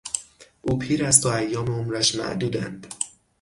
او پیر است و ایام عمرش معدودند.